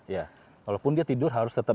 ya walaupun dia tidur harus tetap